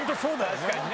確かにね。